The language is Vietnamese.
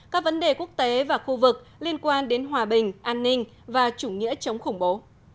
các vấn đề quốc tế và khu vực liên quan đến hòa bình an ninh và chủ nghĩa chống khủng bố